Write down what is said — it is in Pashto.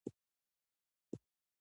د جمعې ورځ د رخصتۍ ورځ ده.